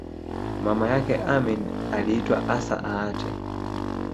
Mama yake Amin aliitwa Assa Aatte